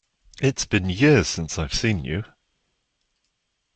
It's been years since I've seen you!